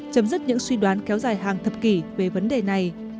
chấm dứt những suy đoán kéo dài hàng thập kỷ về vấn đề này